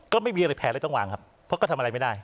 ก็ไม่มีอะไรแผลเลยต้องวางครับเพราะก็ทำอะไรไม่ได้